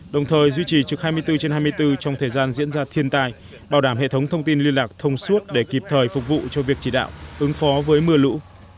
đồng thời duy trì trực hai mươi bốn trên hai mươi bốn trong thời gian diễn ra thiên tai bảo đảm hệ thống thông tin liên lạc thông suốt để kịp thời phục vụ cho việc chỉ đạo ứng phó với mưa lũ